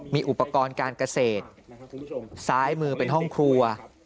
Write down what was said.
มีอุปกรณ์การเกษตรซ้ายมือเป็นห้องครัว